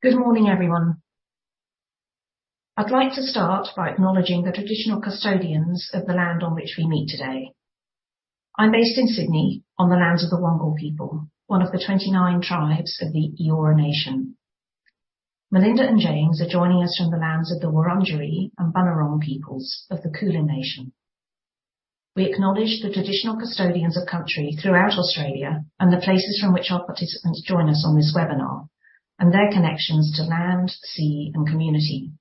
Good morning, everyone. I'd like to start by acknowledging the traditional custodians of the land on which we meet today. I'm based in Sydney, on the lands of the Wangal people, one of the 29 tribes of the Eora nation. Melinda and James are joining us from the lands of the Wurundjeri and Bunurong peoples of the Kulin nation. We acknowledge the traditional custodians of country throughout Australia, and the places from which our participants join us on this webinar, and their connections to land, sea, and community.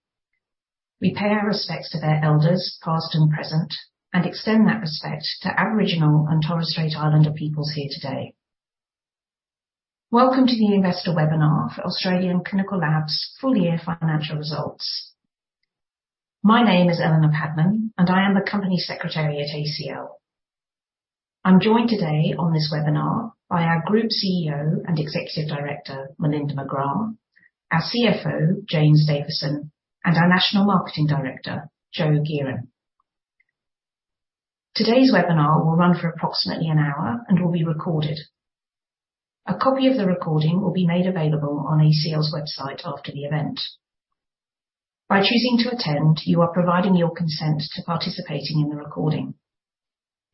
We pay our respects to their elders, past and present, and extend that respect to Aboriginal and Torres Strait Islander peoples here today. Welcome to the investor webinar for Australian Clinical Labs full year financial results. My name is Eleanor Padman, and I am the Company Secretary at ACL. I'm joined today on this webinar by our Group CEO and Executive Director, Melinda McGrath, our CFO, James Davison, and our National Marketing Director, Joe Gehran. Today's webinar will run for approximately an hour and will be recorded. A copy of the recording will be made available on ACL's website after the event. By choosing to attend, you are providing your consent to participating in the recording.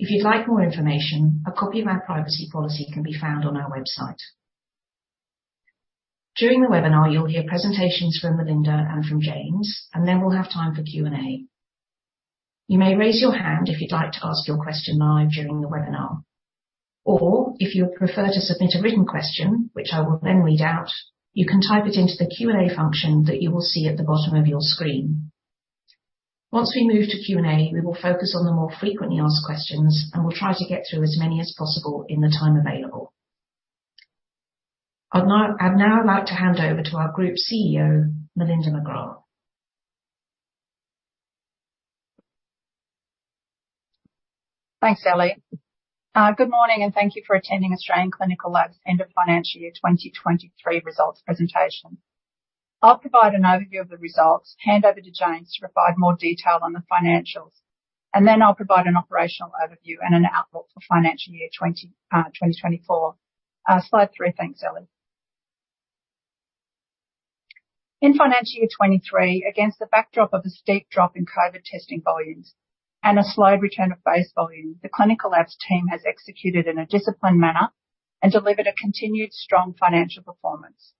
If you'd like more information, a copy of our privacy policy can be found on our website. During the webinar, you'll hear presentations from Melinda and from James, then we'll have time for Q&A. You may raise your hand if you'd like to ask your question live during the webinar, or if you would prefer to submit a written question, which I will then read out, you can type it into the Q&A function that you will see at the bottom of your screen. Once we move to Q&A, we will focus on the more frequently asked questions, and we'll try to get through as many as possible in the time available. I'd now like to hand over to our Group CEO, Melinda McGrath. Thanks, Ellie. Good morning, and thank you for attending Australian Clinical Labs End of Financial Year 2023 results presentation. I'll provide an overview of the results, hand over to James to provide more detail on the financials, and then I'll provide an operational overview and an outlook for financial year 2024. Slide three. Thanks, Ellie. In financial year 2023, against the backdrop of a steep drop in COVID testing volumes and a slow return of base volumes, the Clinical Labs team has executed in a disciplined manner and delivered a continued strong financial performance.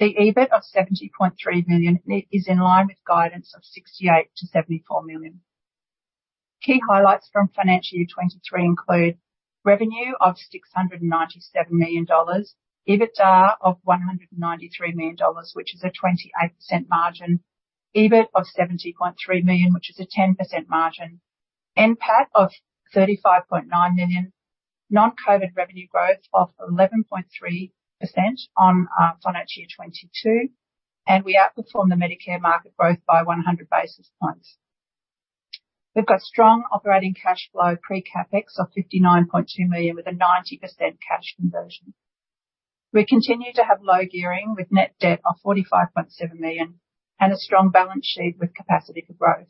The EBIT of 70.3 million is in line with guidance of 68 million-74 million. Key highlights from financial year 2023 include revenue of 697 million dollars, EBITDA of 193 million dollars, which is a 28% margin. EBIT of 70.3 million, which is a 10% margin. NPAT of 35.9 million. Non-COVID revenue growth of 11.3% on FY 2022. We outperformed the Medicare market growth by 100 basis points. We've got strong operating cash flow, pre-CapEx of 59.2 million, with a 90% cash conversion. We continue to have low gearing with net debt of 45.7 million, and a strong balance sheet with capacity for growth.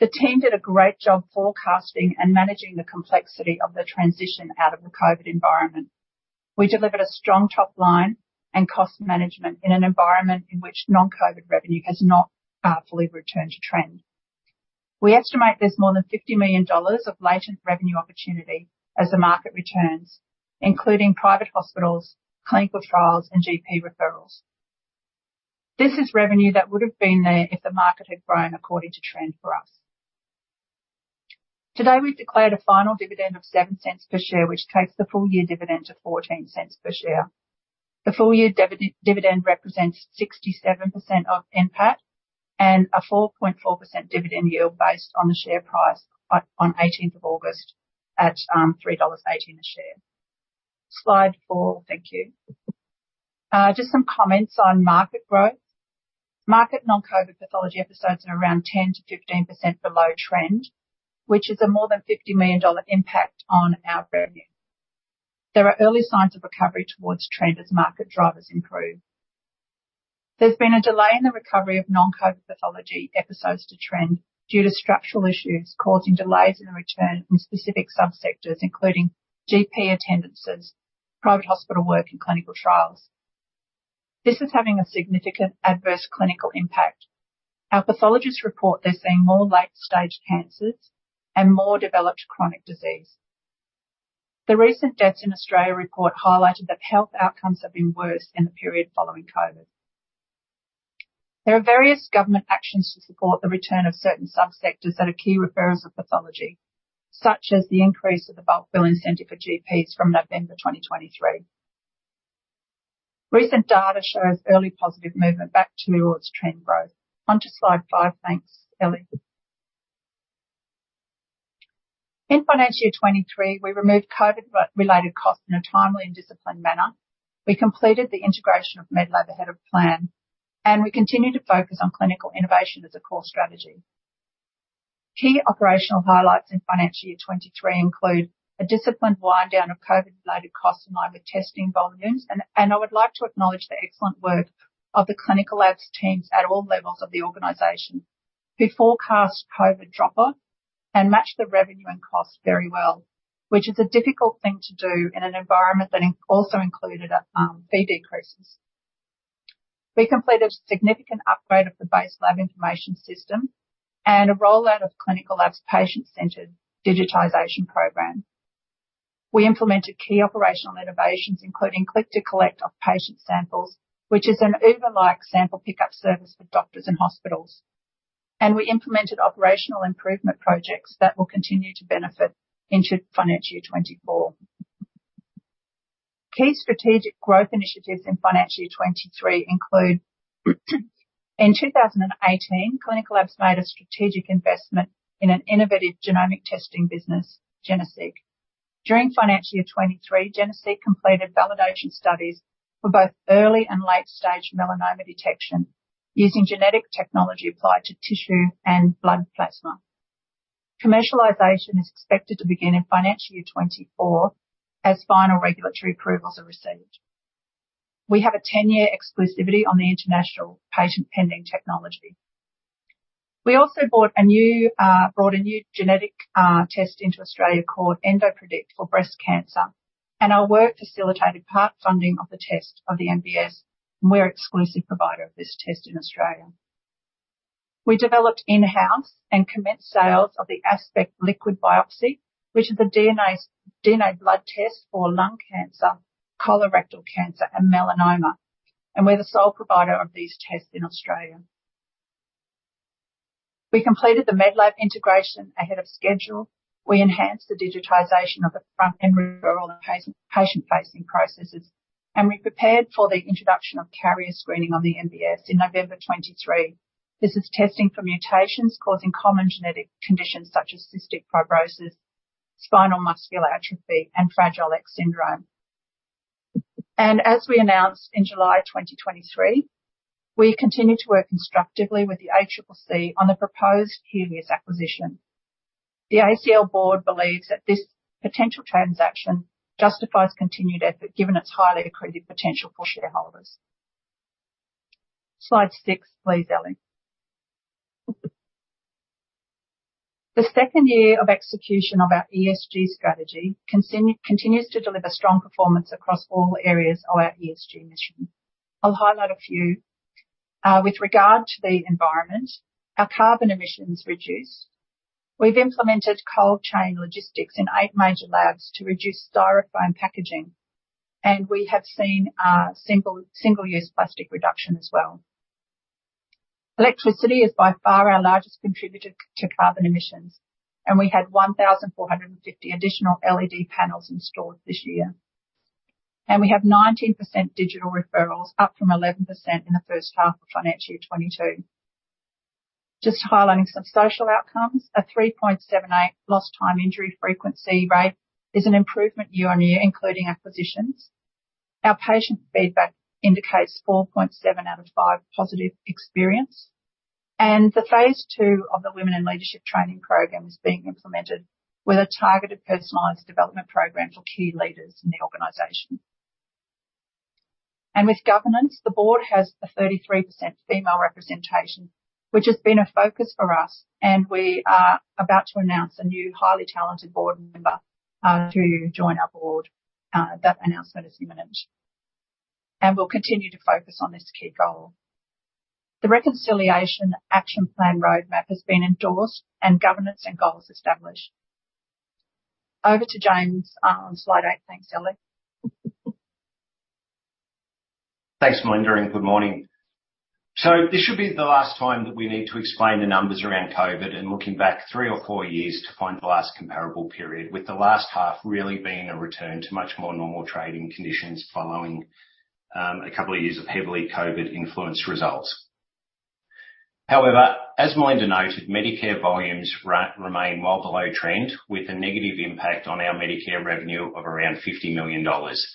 The team did a great job forecasting and managing the complexity of the transition out of the COVID environment. We delivered a strong top line and cost management in an environment in which non-COVID revenue has not fully returned to trend. We estimate there's more than 50 million dollars of latent revenue opportunity as the market returns, including private hospitals, clinical trials, and GP referrals. This is revenue that would have been there if the market had grown according to trend for us. Today, we've declared a final dividend of 0.07 per share, which takes the full-year dividend to 0.14 per share. The full-year dividend represents 67% of NPAT and a 4.4% dividend yield based on the share price on 18th of August at 3.18 dollars a share. Slide four. Thank you. Just some comments on market growth. Market non-COVID pathology episodes are around 10%-15% below trend, which is a more than 50 million dollar impact on our revenue. There are early signs of recovery towards trend as market drivers improve. There's been a delay in the recovery of non-COVID pathology episodes to trend due to structural issues causing delays in the return in specific sub-sectors, including GP attendances, private hospital work, and clinical trials. This is having a significant adverse clinical impact. Our pathologists report they're seeing more late-stage cancers and more developed chronic disease. The recent deaths in Australia report highlighted that health outcomes have been worse in the period following COVID. There are various government actions to support the return of certain sub-sectors that are key referrers of pathology, such as the increase of the bulk billing incentive for GPs from November 2023. Recent data shows early positive movement back towards trend growth. Onto slide five. Thanks, Ellie. In financial year 2023, we removed COVID re-related costs in a timely and disciplined manner. We completed the integration of Medlab ahead of plan, and we continued to focus on clinical innovation as a core strategy. Key operational highlights in financial year 2023 include a disciplined wind down of COVID-related costs and lower testing volumes. I would like to acknowledge the excellent work of the Clinical Labs teams at all levels of the organization. We forecast COVID drop-off and matched the revenue and cost very well, which is a difficult thing to do in an environment that also included fee decreases. We completed a significant upgrade of the base laboratory information system and a rollout of Clinical Labs patient-centered digitization program. We implemented key operational innovations, including Click to Collect of patient samples, which is an Uber-like sample pickup service for doctors and hospitals. We implemented operational improvement projects that will continue to benefit into financial year 2024. Key strategic growth initiatives in financial year 2023 include, in 2018, Clinical Labs made a strategic investment in an innovative genomic testing business, Geneseq. During financial year 2023, Geneseq completed validation studies for both early and late-stage melanoma detection using genetic technology applied to tissue and blood plasma. Commercialization is expected to begin in financial year 2024 as final regulatory approvals are received. We have a 10-year exclusivity on the international patent-pending technology. We also bought a new, brought a new genetic test into Australia called EndoPredict for breast cancer, and our work facilitated part funding of the test of the MBS, and we're exclusive provider of this test in Australia. We developed in-house and commenced sales of the Aspect Liquid Biopsy, which is a DNA blood test for lung cancer, colorectal cancer, and melanoma, and we're the sole provider of these tests in Australia. We completed the Medlab integration ahead of schedule. We enhanced the digitization of the front-end referral and patient, patient-facing processes, and we prepared for the introduction of carrier screening on the MBS in November 2023. This is testing for mutations causing common genetic conditions such as cystic fibrosis, spinal muscular atrophy, and fragile X syndrome. As we announced in July 2023, we continue to work constructively with the ACCC on a proposed Healius acquisition. The ACL board believes that this potential transaction justifies continued effort, given its highly accretive potential for shareholders. Slide six, please, Ellie. The second year of execution of our ESG strategy continues to deliver strong performance across all areas of our ESG mission. I'll highlight a few. With regard to the environment, our carbon emissions reduced. We've implemented cold chain logistics in eight major labs to reduce styrofoam packaging, we have seen single-use plastic reduction as well. Electricity is by far our largest contributor to carbon emissions, we had 1,450 additional LED panels installed this year. We have 19% digital referrals, up from 11% in the first half of financial year 2022. Just highlighting some social outcomes, a 3.78 lost time injury frequency rate is an improvement year-on-year, including acquisitions. Our patient feedback indicates 4.7 out of 5 positive experience, and the phase II of the Women in Leadership training program is being implemented with a targeted, personalized development program for key leaders in the organization. With governance, the board has a 33% female representation, which has been a focus for us, and we are about to announce a new highly talented board member to join our board. That announcement is imminent, and we'll continue to focus on this key goal. The Reconciliation Action Plan roadmap has been endorsed, and governance and goals established. Over to James on slide eight. Thanks, Ellie. Thanks, Melinda. Good morning. This should be the last time that we need to explain the numbers around COVID and looking back three or four years to find the last comparable period, with the last half really being a return to much more normal trading conditions, following a couple of years of heavily COVID-influenced results. However, as Melinda noted, Medicare volumes remain well below trend, with a negative impact on our Medicare revenue of around 50 million dollars.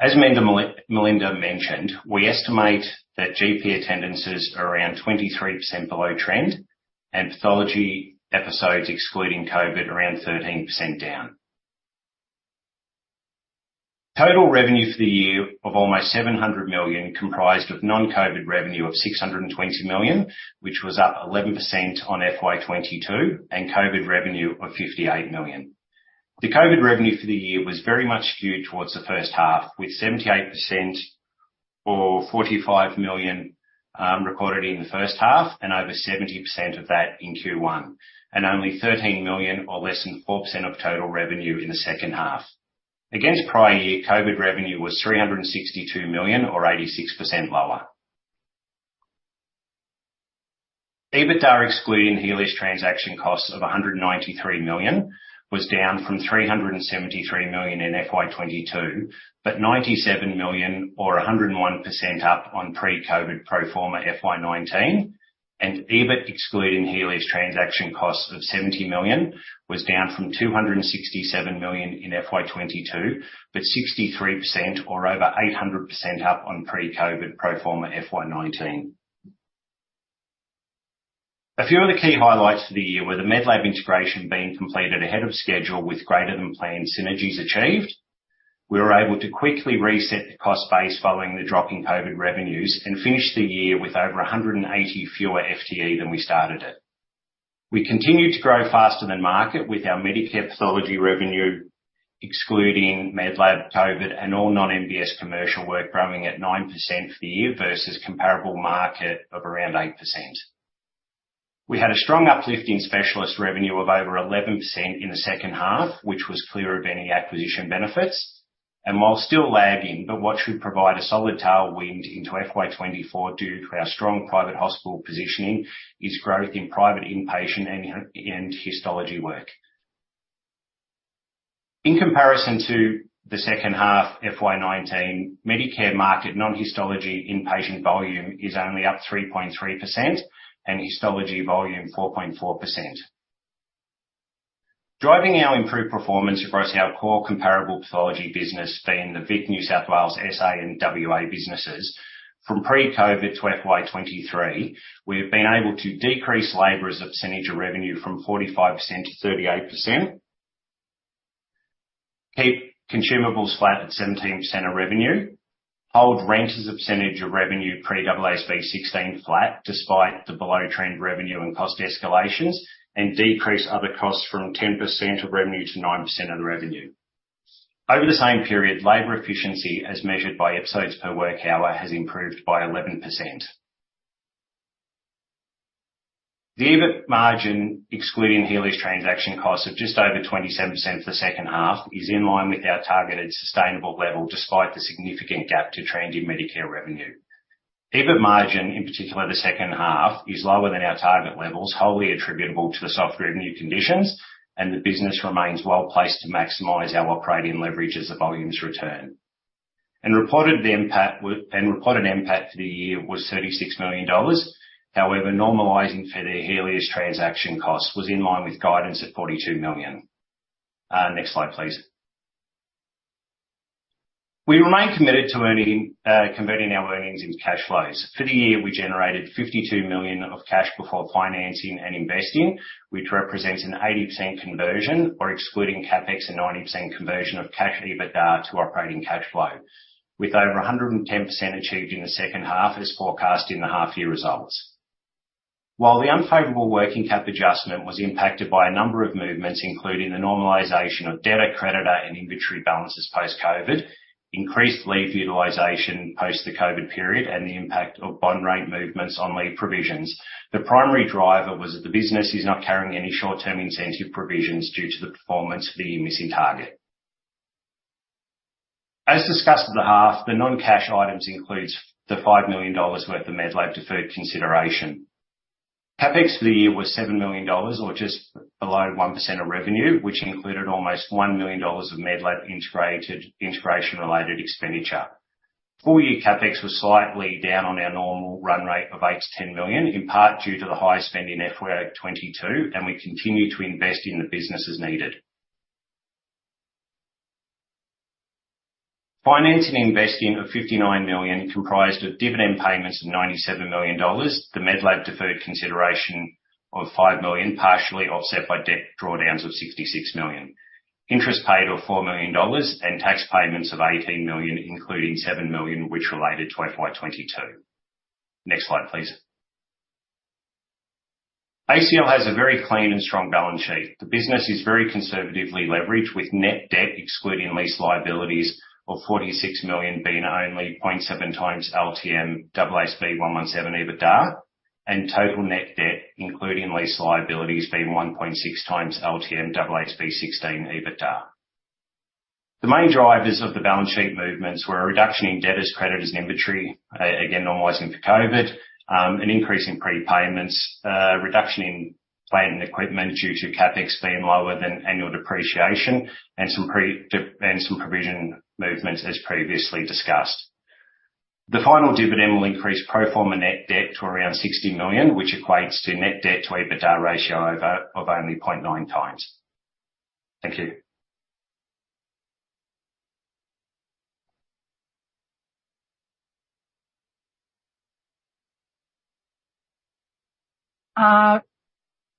As Melinda mentioned, we estimate that GP attendance is around 23% below trend, and pathology episodes, excluding COVID, around 13% down. Total revenue for the year of almost 700 million, comprised of non-COVID revenue of 620 million, which was up 11% on FY 2022, and COVID revenue of 58 million. The COVID revenue for the year was very much skewed towards the first half, with 78% or 45 million recorded in the first half and over 70% of that in Q1, and only 13 million or less than 4% of total revenue in the second half. Against prior year, COVID revenue was 362 million or 86% lower. EBITDA, excluding Healius transaction costs of 193 million, was down from 373 million in FY 2022, but 97 million or 101% up on pre-COVID pro forma FY 2019, and EBIT, excluding Healius transaction costs of 70 million, was down from 267 million in FY 2022, but 63% or over 800% up on pre-COVID pro forma FY 2019. A few other key highlights for the year were the Medlab integration being completed ahead of schedule, with greater than planned synergies achieved. We were able to quickly reset the cost base following the drop in COVID revenues, and finish the year with over 180 fewer FTE than we started it. We continued to grow faster than market, with our Medicare pathology revenue, excluding Medlab COVID and all non-MBS commercial work, growing at 9% for the year versus comparable market of around 8%. We had a strong uplifting specialist revenue of over 11% in the second half, which was clear of any acquisition benefits. While still lagging, but what should provide a solid tailwind into FY 2024, due to our strong private hospital positioning, is growth in private inpatient and histology work. In comparison to the second half, FY 2019, Medicare market non-histology inpatient volume is only up 3.3%, and histology volume, 4.4%. Driving our improved performance across our core comparable pathology business, being the Vic, New South Wales, SA, and WA businesses, from pre-COVID to FY 2023, we've been able to decrease labor as a percentage of revenue from 45% to 38%. Keep consumables flat at 17% of revenue, hold rent as a percentage of revenue, pre-AASB 16 flat, despite the below-trend revenue and cost escalations, decrease other costs from 10% of revenue to 9% of the revenue. Over the same period, labor efficiency, as measured by episodes per work hour, has improved by 11%. The EBIT margin, excluding Healius transaction costs of just over 27% for the second half, is in line with our targeted sustainable level, despite the significant gap to trend in Medicare revenue. EBIT margin, in particular, the second half, is lower than our target levels, wholly attributable to the soft revenue conditions, and the business remains well-placed to maximize our operating leverage as the volumes return. Reported impact for the year was 36 million dollars. However, normalizing for the Healius transaction costs was in line with guidance of 42 million. Next slide, please. We remain committed to earning, converting our earnings into cash flows. For the year, we generated 52 million of cash before financing and investing, which represents an 80% conversion, or excluding CapEx, a 90% conversion of cash EBITDA to operating cash flow, with over 110% achieved in the second half, as forecast in the half-year results. While the unfavorable working cap adjustment was impacted by a number of movements, including the normalization of debtor, creditor, and inventory balances post-COVID, increased leave utilization post the COVID period, and the impact of bond rate movements on leave provisions. The primary driver was that the business is not carrying any short-term incentive provisions due to the performance of the missing target. As discussed at the half, the non-cash items includes the 5 million dollars worth of Medlab deferred consideration. CapEx for the year was 7 million dollars, or just below 1% of revenue, which included almost 1 million dollars of Medlab integration-related expenditure. Full-year CapEx was slightly down on our normal run rate of 8 million-10 million, in part due to the high spend in FY 2022, and we continue to invest in the business as needed. Financing investing of 59 million, comprised of dividend payments of 97 million dollars, the Medlab deferred consideration of 5 million, partially offset by debt drawdowns of 66 million. Interest paid of 4 million dollars, and tax payments of 18 million, including 7 million, which related to FY 2022. Next slide, please. ACL has a very clean and strong balance sheet. The business is very conservatively leveraged, with net debt excluding lease liabilities of 46 million being only 0.7x LTM AASB 117 EBITDA, and total net debt, including lease liabilities, being 1.6x LTM AASB 16 EBITDA. The main drivers of the balance sheet movements were a reduction in debtors, creditors, and inventory, again, normalizing for COVID, an increase in prepayments, reduction in plant and equipment due to CapEx being lower than annual depreciation, and some provision movements, as previously discussed. The final dividend will increase pro forma net debt to around 60 million, which equates to net debt to EBITDA ratio of only 0.9x. Thank you.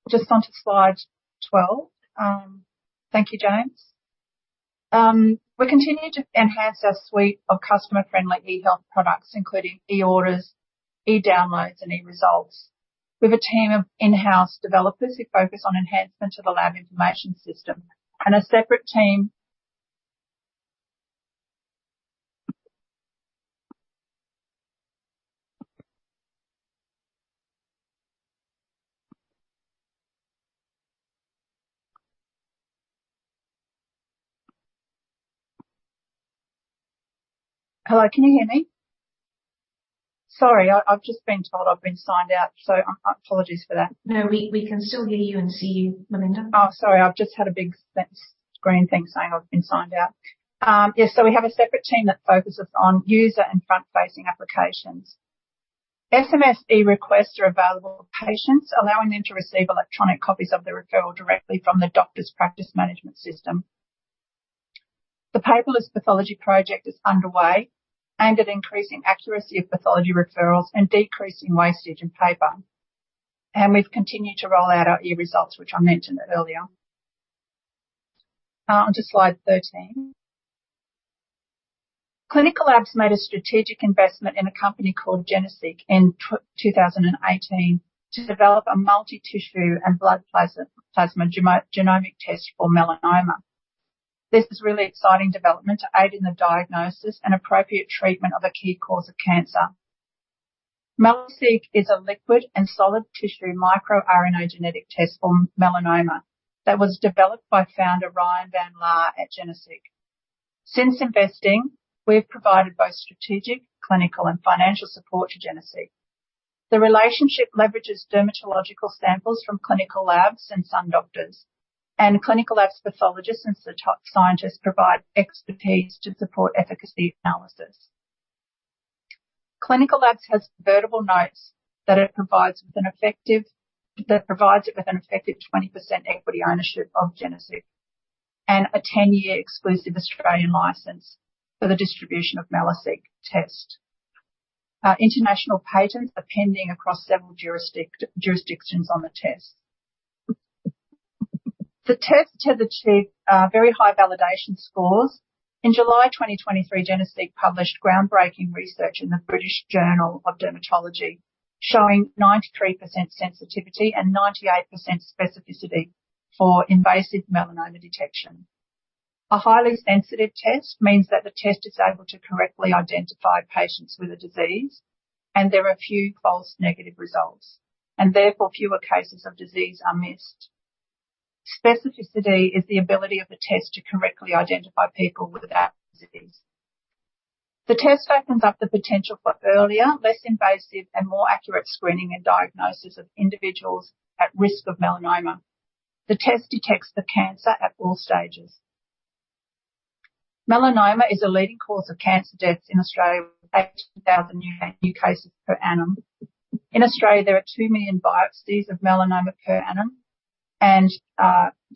Just onto slide 12. Thank you, James. We continue to enhance our suite of customer-friendly eHealth products, including eOrders, eDownloads, and eResults. We have a team of in-house developers who focus on enhancement of the laboratory information system and a separate team... Hello, can you hear me? Sorry, I, I've just been told I've been signed out, so apologies for that. No, we, we can still hear you and see you, Melinda. Oh, sorry, I've just had a big screen thing saying I've been signed out. Yes, we have a separate team that focuses on user and front-facing applications. SMS eRequests are available to patients, allowing them to receive electronic copies of the referral directly from the doctor's practice management system. The paperless pathology project is underway, aimed at increasing accuracy of pathology referrals and decreasing wastage in paper. We've continued to roll out our eResults, which I mentioned earlier. Onto slide 13. Clinical Labs made a strategic investment in a company called Geneseq in 2018, to develop a multi-tissue and blood plasma genomic test for melanoma. This is a really exciting development to aid in the diagnosis and appropriate treatment of a key cause of cancer. Melaseq is a liquid and solid tissue microRNA genetic test for melanoma, that was developed by founder Ryan Van Laar at Geneseq. Since investing, we've provided both strategic, clinical, and financial support to Geneseq. The relationship leverages dermatological samples from Clinical Labs and SunDoctors, and Clinical Labs pathologists and search scientists provide expertise to support efficacy analysis. Clinical Labs has convertible notes that it provides with an effective that provides it with an effective 20% equity ownership of Geneseq, and a 10-year exclusive Australian license for the distribution of Melaseq test. International patents are pending across several jurisdictions on the test. The test has achieved very high validation scores. In July 2023, Geneseq published groundbreaking research in the British Journal of Dermatology, showing 93% sensitivity and 98% specificity for invasive melanoma detection. A highly sensitive test means that the test is able to correctly identify patients with a disease, and there are few false negative results, and therefore fewer cases of disease are missed. Specificity is the ability of a test to correctly identify people without disease. The test opens up the potential for earlier, less invasive, and more accurate screening and diagnosis of individuals at risk of melanoma. The test detects the cancer at all stages. Melanoma is a leading cause of cancer deaths in Australia, with 8,000 new, new cases per annum. In Australia, there are 2 million biopsies of melanoma per annum and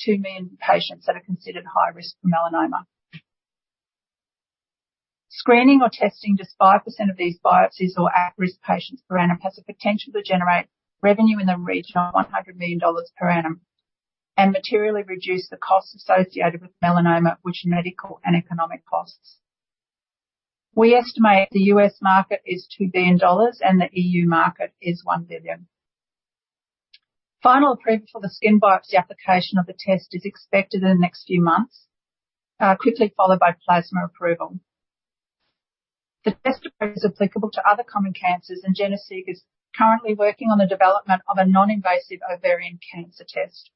2 million patients that are considered high risk for melanoma. Screening or testing just 5% of these biopsies or at-risk patients per annum, has the potential to generate revenue in the region of $100 million per annum, and materially reduce the costs associated with melanoma, which are medical and economic costs. We estimate the U.S. market is $2 billion and the EU market is $1 billion. Final approval for the skin biopsy application of the test is expected in the next few months, quickly followed by plasma approval. The test approach is applicable to other common cancers, and Geneseq is currently working on the development of a non-invasive ovarian cancer test.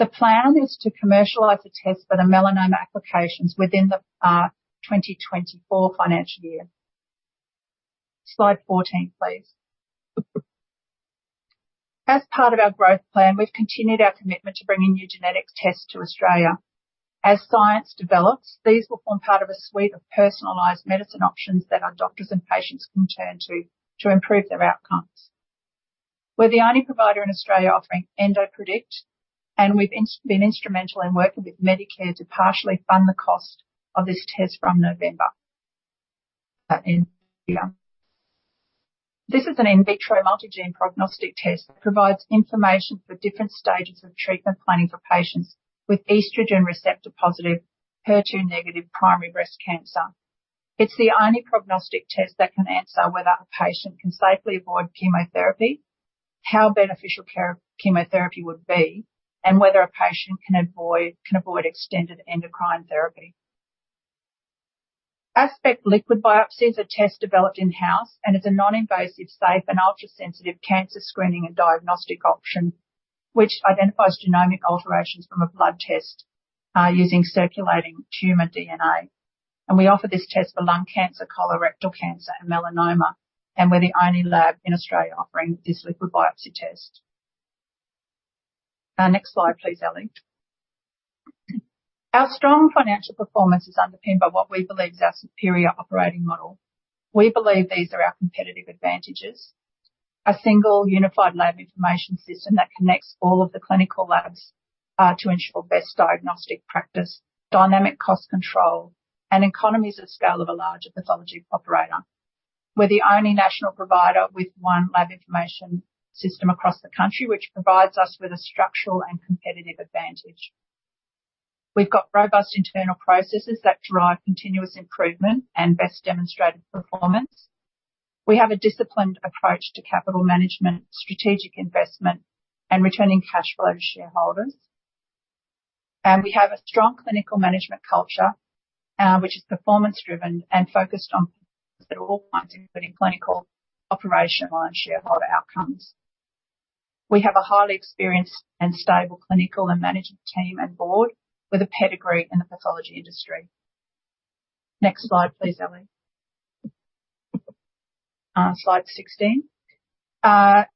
The plan is to commercialize the test for the melanoma applications within the 2024 financial year. Slide 14, please. As part of our growth plan, we've continued our commitment to bringing new genetic tests to Australia. As science develops, these will form part of a suite of personalized medicine options that our doctors and patients can turn to, to improve their outcomes. We're the only provider in Australia offering EndoPredict, and we've been instrumental in working with Medicare to partially fund the cost of this test from November in here. This is an in vitro multigene prognostic test that provides information for different stages of treatment planning for patients with estrogen receptor-positive, HER2-negative primary breast cancer. It's the only prognostic test that can answer whether a patient can safely avoid chemotherapy, how beneficial chemotherapy would be, and whether a patient can avoid extended endocrine therapy. Aspect Liquid Biopsy is a test developed in-house, and is a non-invasive, safe, and ultra-sensitive cancer screening and diagnostic option, which identifies genomic alterations from a blood test using circulating tumor DNA. We offer this test for lung cancer, colorectal cancer, and melanoma, and we're the only lab in Australia offering this liquid biopsy test. Next slide, please, Ellie. Our strong financial performance is underpinned by what we believe is our superior operating model. We believe these are our competitive advantages: A single unified laboratory information system that connects all of the Clinical Labs to ensure best diagnostic practice, dynamic cost control, and economies of scale of a larger pathology operator. We're the only national provider with one laboratory information system across the country, which provides us with a structural and competitive advantage. We've got robust internal processes that drive continuous improvement and best demonstrated performance. We have a disciplined approach to capital management, strategic investment, and returning cash flow to shareholders. We have a strong clinical management culture, which is performance driven and focused on including clinical, operational, and shareholder outcomes. We have a highly experienced and stable clinical and management team and board with a pedigree in the pathology industry. Next slide, please, Ellie. Slide 16. Our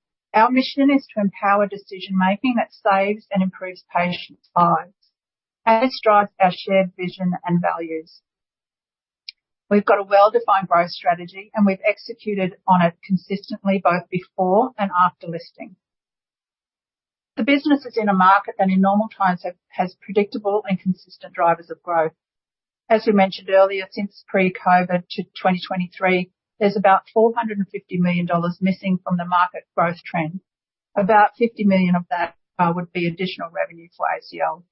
mission is to empower decision-making that saves and improves patients' lives, and this drives our shared vision and values. We've got a well-defined growth strategy, and we've executed on it consistently, both before and after listing. The business is in a market that, in normal times, has predictable and consistent drivers of growth. As we mentioned earlier, since pre-COVID to 2023, there's about 450 million dollars missing from the market growth trend. About 50 million of that would be additional revenue for ACL.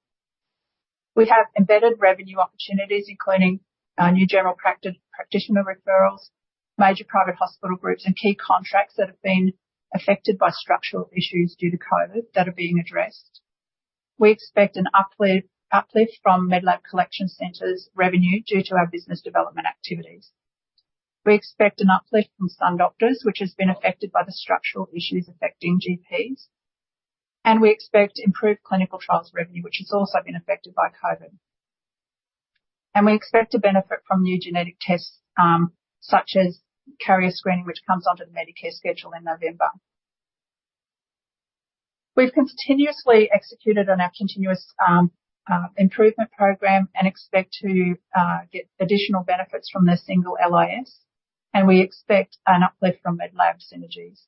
We have embedded revenue opportunities, including new general practice- practitioner referrals, major private hospital groups, and key contracts that have been affected by structural issues due to COVID that are being addressed. We expect an uplift from Medlab Collection Centers revenue due to our business development activities. We expect an uplift from SunDoctors, which has been affected by the structural issues affecting GPs, and we expect improved clinical trials revenue, which has also been affected by COVID. We expect to benefit from new genetic tests, such as carrier screening, which comes onto the Medicare schedule in November. We've continuously executed on our continuous improvement program and expect to get additional benefits from the single LIS, and we expect an uplift from Medlab synergies.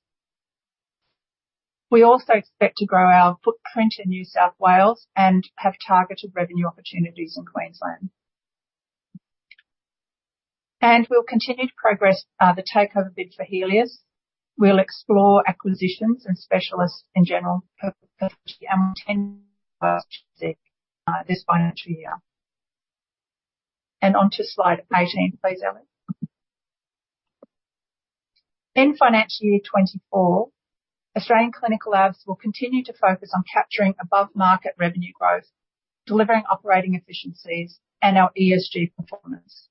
We also expect to grow our footprint in New South Wales and have targeted revenue opportunities in Queensland. We'll continue to progress the takeover bid for Healius. We'll explore acquisitions and specialists in general this financial year. On to slide 18, please, Ellie. In financial year 2024, Australian Clinical Labs will continue to focus on capturing above-market revenue growth, delivering operating efficiencies, and our ESG performance.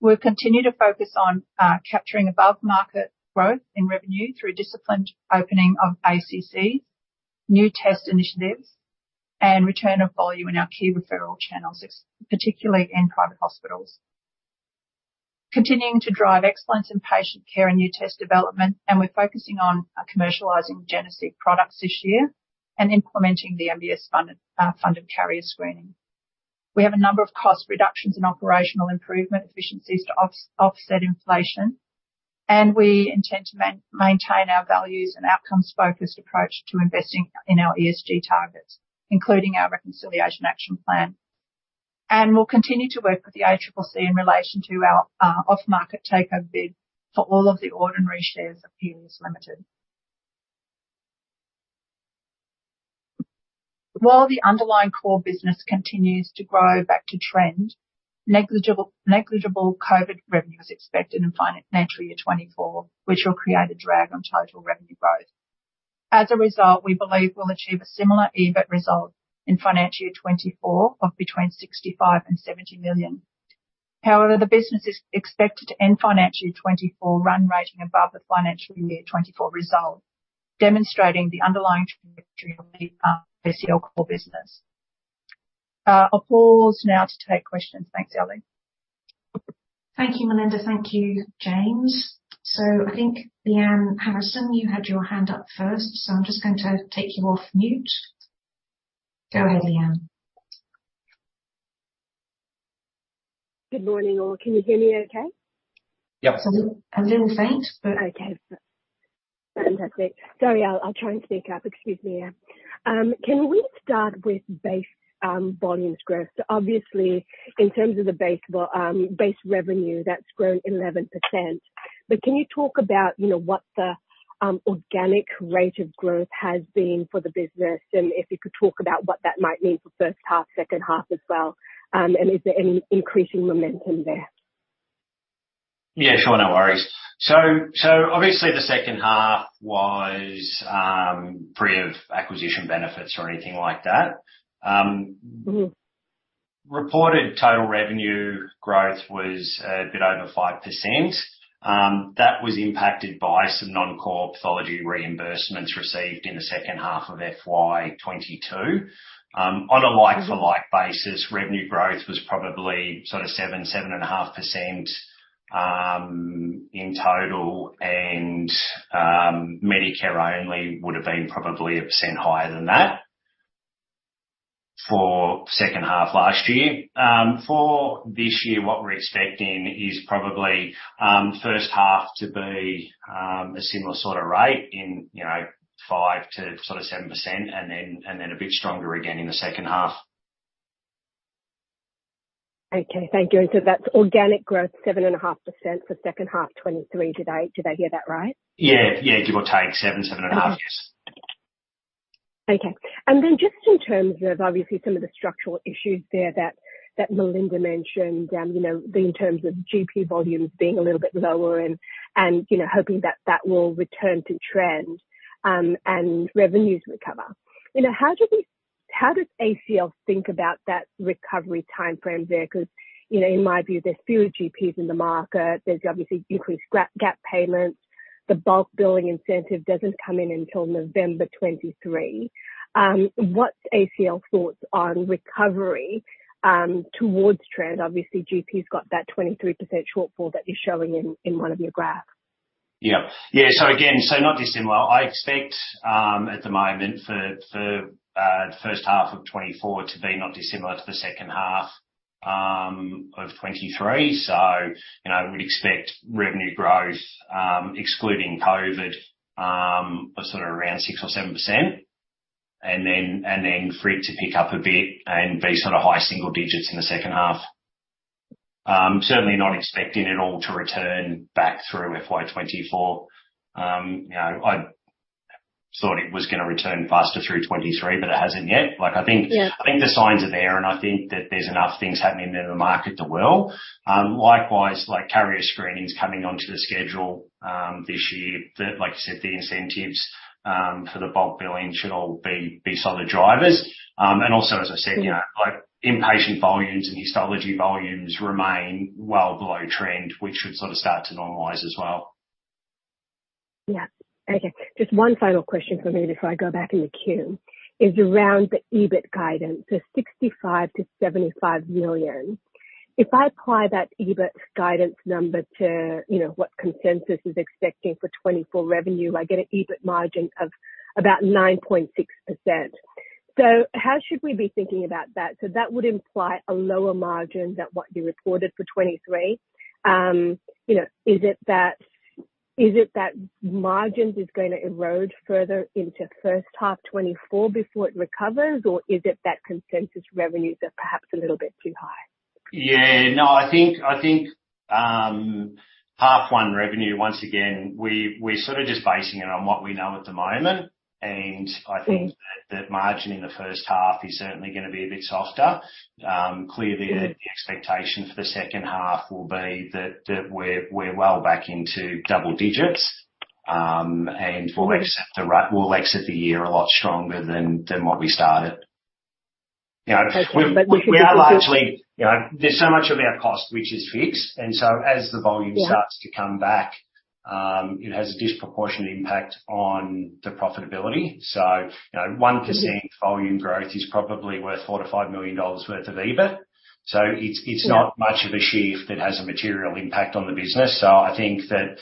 We'll continue to focus on capturing above-market growth in revenue through a disciplined opening of ACC, new test initiatives, and return of volume in our key referral channels, particularly in private hospitals. Continuing to drive excellence in patient care and new test development, we're focusing on commercializing Geneseq products this year and implementing the MBS funded carrier screening. We have a number of cost reductions and operational improvement efficiencies to offset inflation, we intend to maintain our values and outcomes-focused approach to investing in our ESG targets, including our Reconciliation Action Plan. We'll continue to work with the ACCC in relation to our off-market takeover bid for all of the ordinary shares of Healius Limited. While the underlying core business continues to grow back to trend, negligible COVID revenue is expected in FY 2024, which will create a drag on total revenue growth. As a result, we believe we'll achieve a similar EBIT result in FY 2024 of between 65 million and 70 million. However, the business is expected to end FY 2024 run rating above the FY 2024 result, demonstrating the underlying trajectory of the ACL core business. I'll pause now to take questions. Thanks, Ellie. Thank you, Melinda. Thank you, James. I think, Lyanne Harrison, you had your hand up first, so I'm just going to take you off mute. Go ahead, Lyanne. Good morning, all. Can you hear me okay? Yep. A little, a little faint, but- Okay. Fantastic. Sorry, I'll, I'll try and speak up. Excuse me. Can we start with base volumes growth? Obviously, in terms of the base, well, base revenue, that's grown 11%. Can you talk about, you know, what the organic rate of growth has been for the business, and if you could talk about what that might mean for first half, second half as well? Is there any increasing momentum there? Yeah, sure. No worries. Obviously, the second half was free of acquisition benefits or anything like that. Mm-hmm. reported total revenue growth was a bit over 5%. That was impacted by some non-core pathology reimbursements received in the second half of FY 2022. On a like- Mm-hmm for like basis, revenue growth was probably sort of 7%-7.5% in total, and Medicare only would have been probably 1% higher than that for second half last year. For this year, what we're expecting is probably first half to be a similar sort of rate in, you know, 5%-7%, and then a bit stronger again in the second half. Okay, thank you. So that's organic growth, 7.5% for second half 2023. Did I hear that right? Yeah. Yeah, give or take 7%, 7.5%. Okay. Then just in terms of obviously some of the structural issues there that, that Melinda mentioned, you know, in terms of GP volumes being a little bit lower and, and, you know, hoping that that will return to trend, and revenues recover. You know, how does ACL think about that recovery timeframe there? Because, you know, in my view, there's fewer GPs in the market. There's obviously increased gap payments. The bulk billing incentive doesn't come in until November 2023. What's ACL thoughts on recovery towards trend? Obviously, GP's got that 23% shortfall that you're showing in, in one of your graphs. Yeah. Yeah, again, not dissimilar. I expect at the moment for the first half of 2024 to be not dissimilar to the second half of 2023. You know, we'd expect revenue growth, excluding COVID, of sort of around 6% or 7%, and then for it to pick up a bit and be sort of high single digits in the second half. Certainly not expecting it all to return back through FY 2024. You know, I thought it was gonna return faster through 2023, but it hasn't yet. Like, I think- Yeah. I think the signs are there, and I think that there's enough things happening in the market to well. Likewise, like, carrier screening is coming onto the schedule this year, that like you said, the incentives for the bulk billing should all be, be sort of drivers. Also, as I said- Yeah... you know, like, inpatient volumes and histology volumes remain well below trend, which should sort of start to normalize as well. Yeah. Okay, just one final question for me before I go back in the queue, is around the EBIT guidance, so 65 million-75 million. If I apply that EBIT guidance number to, you know, what consensus is expecting for 2024 revenue, I get an EBIT margin of about 9.6%. How should we be thinking about that? That would imply a lower margin than what you reported for 2023. You know, is it that, is it that margins is gonna erode further into first half 2024 before it recovers, or is it that consensus revenues are perhaps a little bit too high? Yeah. No, I think, I think, half 1 revenue, once again, we're sort of just basing it on what we know at the moment. Yeah. I think that the margin in the first half is certainly gonna be a bit softer. Clearly. Yeah... the expectation for the second half will be that we're well back into double digits. We'll exit the year a lot stronger than what we started. You know, we. Okay.... are largely, you know, there's so much of our cost, which is fixed, and so as the volume- Yeah... starts to come back, it has a disproportionate impact on the profitability. You know, 1%... Mm-hmm... volume growth is probably worth 4 million-5 million dollars worth of EBIT. It's, it's- Yeah... not much of a shift that has a material impact on the business. I think that,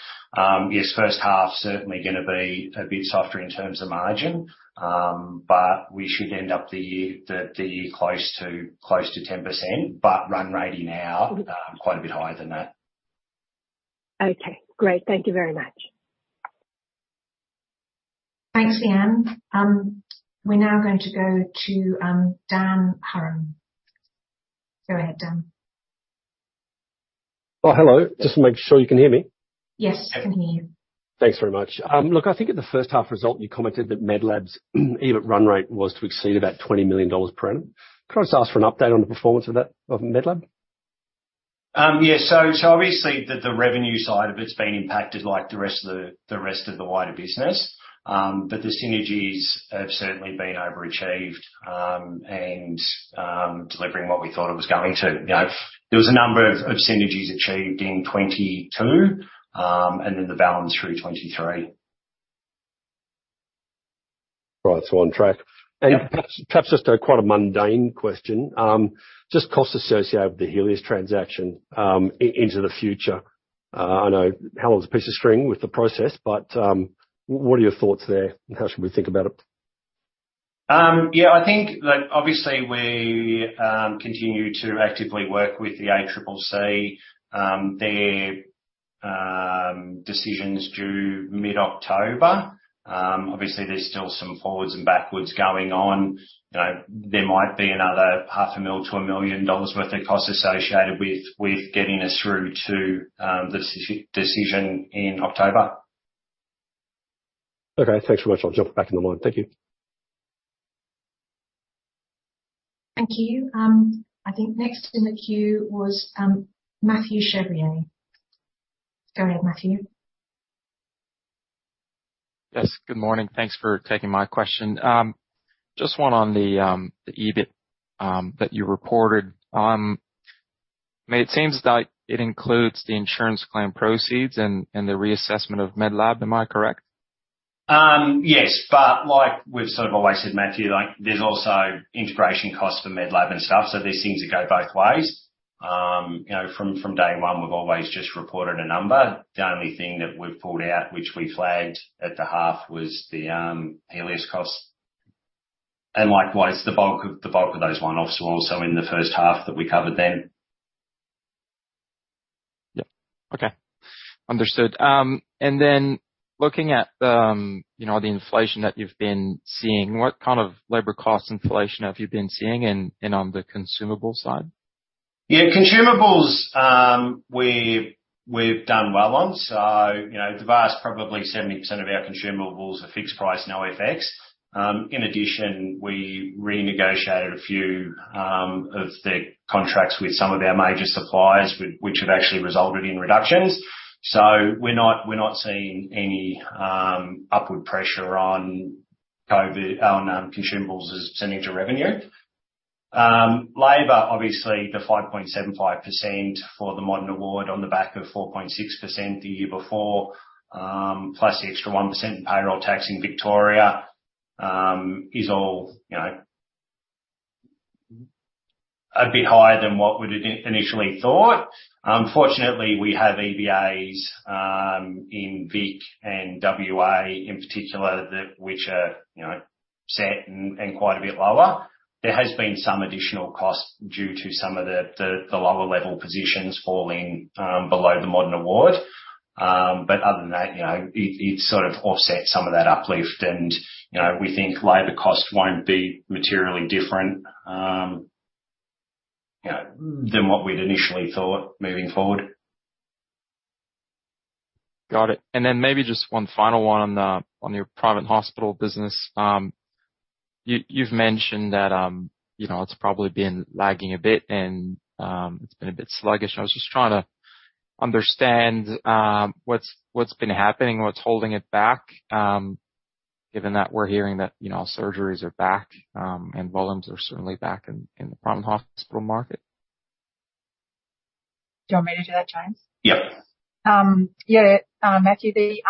yes, first half, certainly gonna be a bit softer in terms of margin, but we should end up the year close to, close to 10%, but run rate now, quite a bit higher than that. Okay, great. Thank you very much. Thanks, Lyanne. We're now going to go to Dan Hurren. Go ahead, Dan. Oh, hello. Just to make sure you can hear me? Yes, I can hear you. Thanks very much. look, I think at the first half result, you commented that Medlab's EBIT run rate was to exceed about 20 million dollars per annum. Can I just ask for an update on the performance of that, of Medlab? Yeah. Obviously, the revenue side of it's been impacted like the rest of the wider business, but the synergies have certainly been overachieved and delivering what we thought it was going to. You know, there was a number of synergies achieved in 2022, and then the balance through 2023. Right, on track. Yeah. Perhaps, perhaps just a quite a mundane question, just costs associated with the Healius transaction, into the future. I know how long is a piece of string with the process, but, what are your thoughts there, and how should we think about it? I think that obviously we continue to actively work with the ACCC. Their decision's due mid-October. Obviously, there's still some forwards and backwards going on. You know, there might be another 500,000-1 million dollars worth of costs associated with getting us through to the decision in October. Okay, thanks so much. I'll jump back in the line. Thank you. Thank you. I think next in the queue was Mathieu Chevrier. Go ahead, Mathieu. Yes, good morning. Thanks for taking my question. Just one on the, the EBIT, that you reported. I mean, it seems like it includes the insurance claim proceeds and, and the reassessment of Medlab. Am I correct? Yes, like we've sort of always said, Mathieu, like, there's also integration costs for Medlab and stuff, so these things go both ways. You know, from, from day one, we've always just reported a number. The only thing that we've pulled out, which we flagged at the half, was the Healius costs, and likewise, the bulk of, the bulk of those one-offs were also in the first half that we covered then. Yep. Okay, understood. Looking at, you know, the inflation that you've been seeing, what kind of labor cost inflation have you been seeing and, and on the consumable side? Yeah, consumables, we've done well on. You know, the vast, probably 70% of our consumables are fixed price, no FX. In addition, we renegotiated a few of the contracts with some of our major suppliers, which have actually resulted in reductions. We're not, we're not seeing any upward pressure on COVID on consumables as a % of revenue. Labor, obviously the 5.75% for the modern award on the back of 4.6% the year before, plus the extra 1% in payroll tax in Victoria, is all, you know, a bit higher than what we'd initially thought. Fortunately, we have EBAs in Vic and WA in particular, that, which are, you know, cent and quite a bit lower. There has been some additional cost due to some of the, the, the lower level positions falling below the modern award. Other than that, you know, it, it sort of offsets some of that uplift and, you know, we think labor costs won't be materially different, you know, than what we'd initially thought moving forward. Got it. Then maybe just one final one on your private hospital business. You've mentioned that, you know, it's probably been lagging a bit and it's been a bit sluggish. I was just trying to understand what's, what's been happening, what's holding it back, given that we're hearing that, you know, surgeries are back, and volumes are certainly back in, in the private hospital market? Do you want me to do that, James? Yep. Yeah, Mathieu, the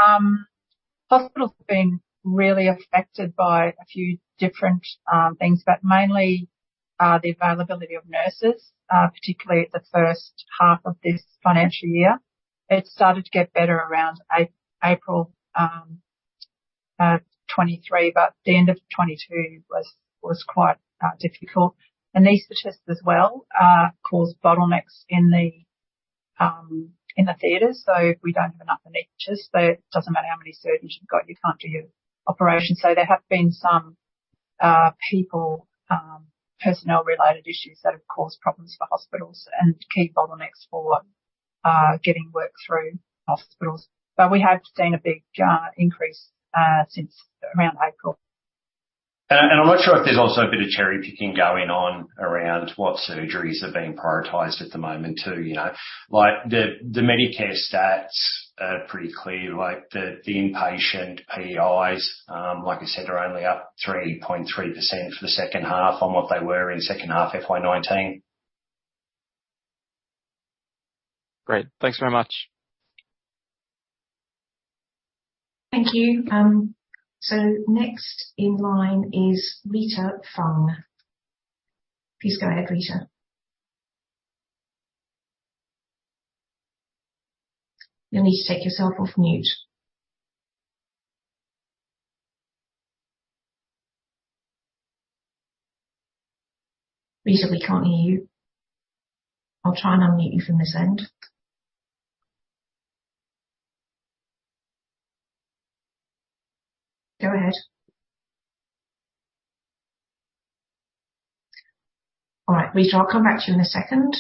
hospitals have been really affected by a few different things, but mainly, the availability of nurses, particularly at the first half of this financial year. It started to get better around April, 2023, but the end of 2022 was quite difficult. Anesthetists as well, caused bottlenecks in the theater. If we don't have enough anesthetists, so it doesn't matter how many surgeons you've got, you can't do your operation. There have been some people, personnel-related issues that have caused problems for hospitals and key bottlenecks for getting work through hospitals. We have seen a big increase since around April. I'm not sure if there's also a bit of cherry-picking going on around what surgeries are being prioritized at the moment, too, you know. Like, the, the Medicare stats are pretty clear, like, the, the inpatient PEIs, like I said, are only up 3.3% for the second half on what they were in second half FY 2019. Great. Thanks very much. Thank you. Next in line is Rita Fung. Please go ahead, Rita. You'll need to take yourself off mute. Rita, we can't hear you. I'll try and unmute you from this end. Go ahead. All right, Rita, I'll come back to you in a second.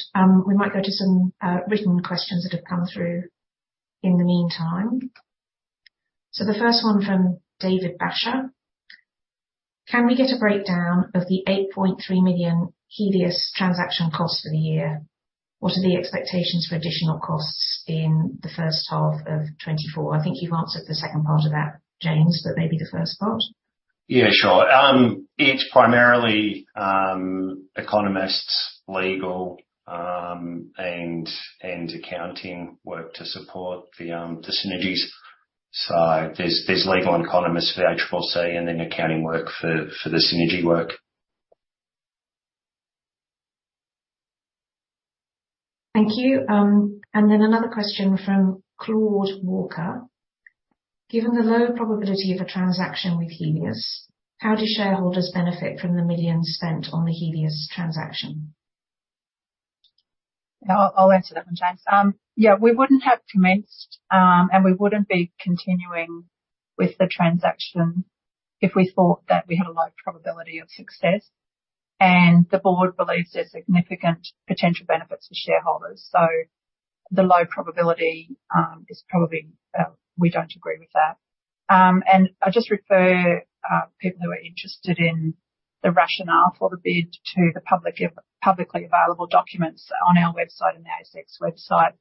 We might go to some written questions that have come through in the meantime. The first one from David Bach: Can we get a breakdown of the 8.3 million Healius transaction costs for the year? What are the expectations for additional costs in the first half of 2024? I think you've answered the second part of that, James, but maybe the first part. Yeah, sure. It's primarily, economists, legal, and, and accounting work to support the, the synergies. There's, there's legal and economists for the ACCC, and then accounting work for, for the synergy work. Thank you. And then another question from Claude Walker: Given the low probability of a transaction with Healius, how do shareholders benefit from the millions spent on the Healius transaction? I'll answer that one, James. Yeah, we wouldn't have commenced, and we wouldn't be continuing with the transaction if we thought that we had a low probability of success, and the board believes there's significant potential benefits for shareholders. The low probability is probably we don't agree with that. I just refer people who are interested in the rationale for the bid to the publicly, publicly available documents on our website, on the ASX website,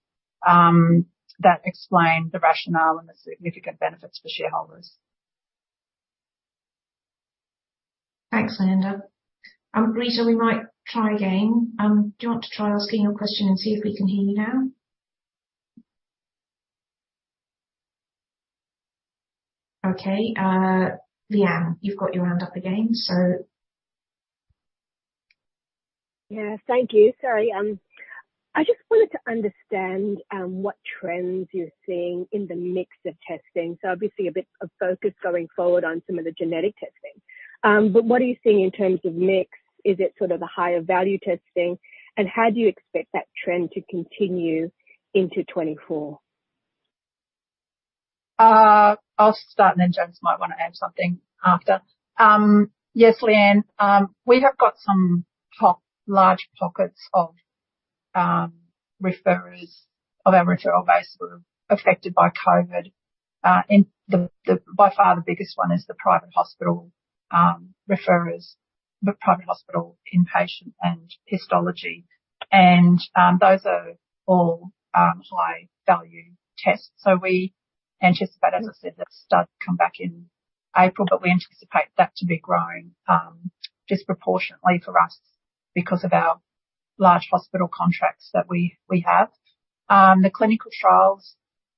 that explain the rationale and the significant benefits for shareholders. Thanks, Melinda. Rita, we might try again. Do you want to try asking your question and see if we can hear you now? Okay, Lyanne, you've got your hand up again, so... Yeah. Thank you. Sorry. I just wanted to understand what trends you're seeing in the mix of testing. Obviously a bit of focus going forward on some of the genetic testing. What are you seeing in terms of mix? Is it sort of a higher value testing, and how do you expect that trend to continue into 2024? I'll start, and then James might want to add something after. Yes, Lyanne, we have got some top large pockets of referrers of our referral base who were affected by COVID. By far, the biggest one is the private hospital referrers, the private hospital inpatient and histology, and those are all high-value tests. We anticipate, as I said, that start come back in April, but we anticipate that to be growing disproportionately for us because of our large hospital contracts that we, we have. The clinical trials,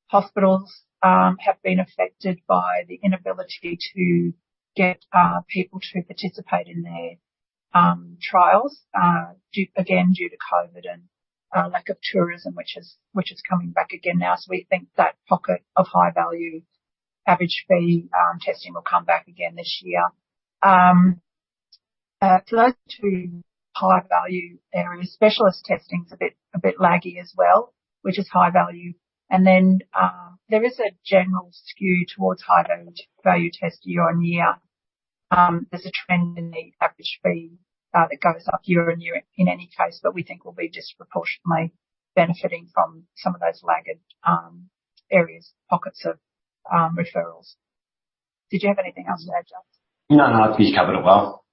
hospitals, have been affected by the inability to get people to participate in their trials, due, again, due to COVID and lack of tourism, which is, which is coming back again now. We think that pocket of high-value average fee, testing will come back again this year. To add to high-value areas, specialist testing is a bit, a bit laggy as well, which is high value. There is a general skew towards high-value, value test year-on-year. There's a trend in the average fee, that goes up year-on-year in any case, but we think we'll be disproportionately benefiting from some of those laggard, areas, pockets of, referrals. Did you have anything else to add, James? No, no, I think you covered it well.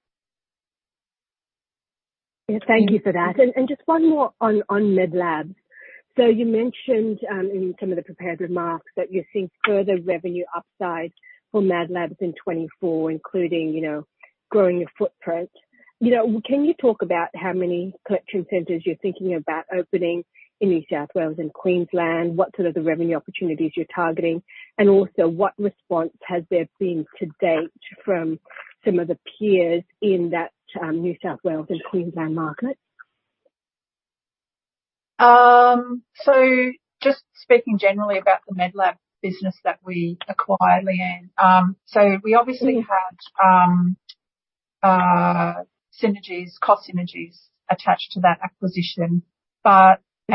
Yeah, thank you for that. Just one more on Medlab. You mentioned in some of the prepared remarks that you're seeing further revenue upside for Medlab in 2024, including, you know, growing your footprint. You know, can you talk about how many collection centers you're thinking about opening in New South Wales and Queensland? What sort of the revenue opportunities you're targeting, and also what response has there been to date from some of the peers in that New South Wales and Queensland market? Just speaking generally about the Medlab business that we acquired, Leanne. We obviously had synergies, cost synergies attached to that acquisition.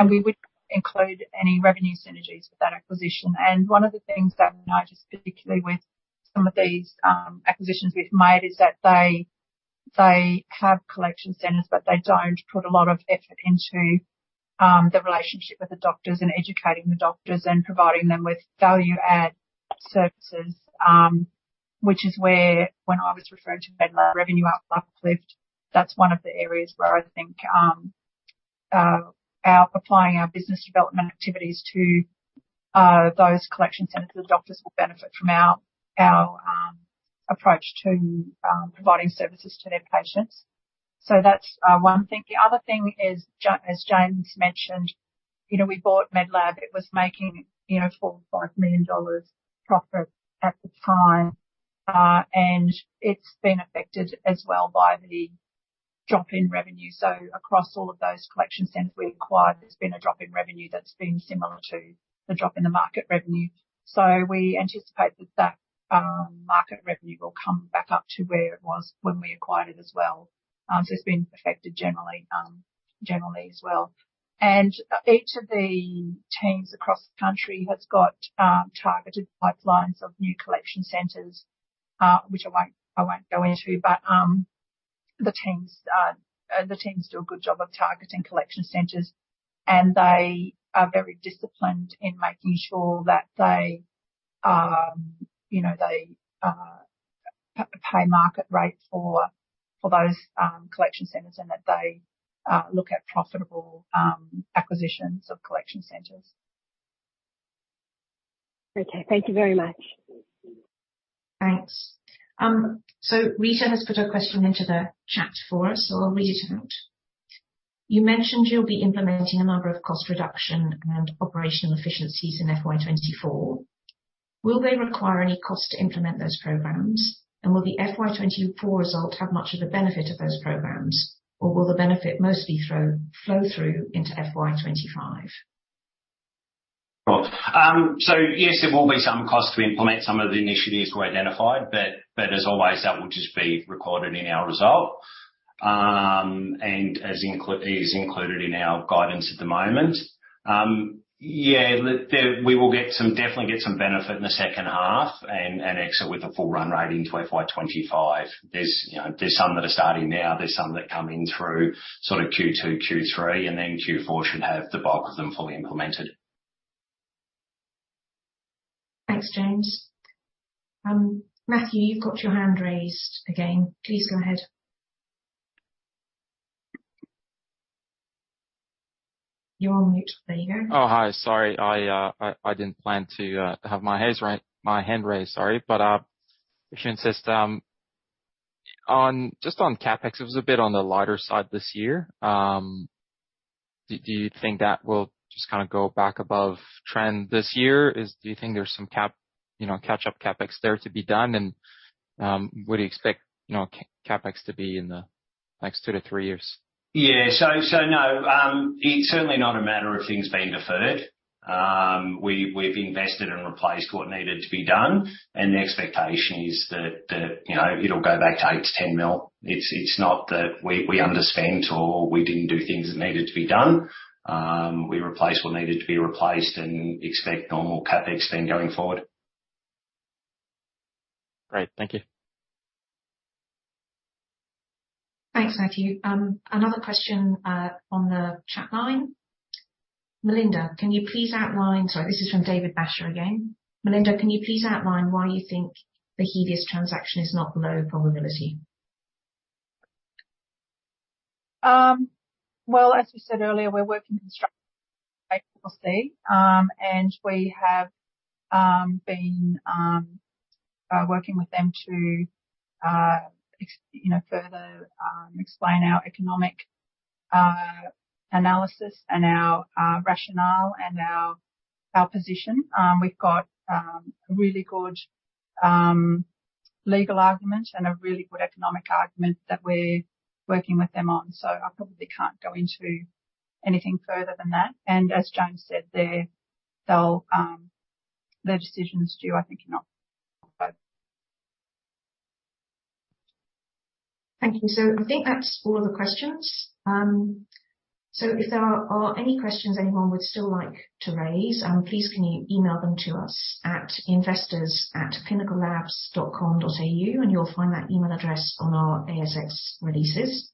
We would include any revenue synergies with that acquisition. One of the things that I notice, particularly with some of these acquisitions we've made, is that they, they have collection centers, but they don't put a lot of effort into the relationship with the doctors and educating the doctors, and providing them with value-add services. Which is where when I was referring to Medlab revenue uplift, that's one of the areas where I think our applying our business development activities to those collection centers. The doctors will benefit from our, our approach to providing services to their patients. That's one thing. The other thing is as James mentioned, you know, we bought Medlab. It was making, you know, 4 million or 5 million dollars profit at the time, and it's been affected as well by the drop in revenue. Across all of those collection centers we acquired, there's been a drop in revenue that's been similar to the drop in the market revenue. We anticipate that, that, market revenue will come back up to where it was when we acquired it as well. It's been affected generally, generally as well. Each of the teams across the country has got, targeted pipelines of new collection centers, which I won't, I won't go into. The teams, the teams do a good job of targeting collection centers, and they are very disciplined in making sure that they, you know, they pay market rate for, for those, collection centers, and that they look at profitable acquisitions of collection centers. Okay, thank you very much. Thanks. Rita has put a question into the chat for us, so I'll read it out. You mentioned you'll be implementing a number of cost reduction and operational efficiencies in FY 2024. Will they require any cost to implement those programs? Will the FY 2024 results have much of the benefit of those programs, or will the benefit mostly throw, flow through into FY 2025? So yes, there will be some cost to implement some of the initiatives we identified, but as always, that will just be recorded in our result, and is included in our guidance at the moment. We will definitely get some benefit in the second half and exit with a full run rate in FY 2025. There's, you know, there's some that are starting now, there's some that come in through sort of Q2, Q3, and then Q4 should have the bulk of them fully implemented. Thanks, James. Mathieu, you've got your hand raised again. Please go ahead. You're on mute. There you go. Oh, hi. Sorry, I, I, I didn't plan to have my hand raised, sorry, but if you insist. On, just on CapEx, it was a bit on the lighter side this year. Do, do you think that will just kind of go back above trend this year? Do you think there's some, you know, catch-up CapEx there to be done? Would you expect, you know, CapEx to be in the next two to three years? Yeah. So no, it's certainly not a matter of things being deferred. We've, we've invested and replaced what needed to be done, and the expectation is that, that, you know, it'll go back to 8 million-10 million. It's, it's not that we, we underspent or we didn't do things that needed to be done. We replaced what needed to be replaced and expect normal CapEx spend going forward. Great. Thank you. Thanks, Mathieu. Another question on the chat line. Melinda, can you please outline... Sorry, this is from David Bach again. Melinda, can you please outline why you think the Healius transaction is not low probability? Well, as we said earlier, we're working constructively with ACCC, and we have been working with them to, you know, further explain our economic analysis and our rationale and our, our position. We've got a really good legal argument and a really good economic argument that we're working with them on. I probably can't go into anything further than that. As James said there, they'll their decision is due, I think, in October. Thank you. I think that's all the questions. If there are any questions anyone would still like to raise, please, can you email them to us at acl.investors@clinicallabs.com.au, and you'll find that email address on our ASX releases.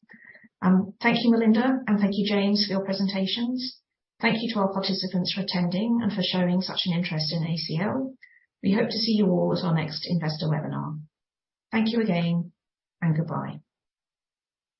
Thank you, Melinda, and thank you, James, for your presentations. Thank you to our participants for attending and for showing such an interest in ACL. We hope to see you all at our next investor webinar. Thank you again, and goodbye.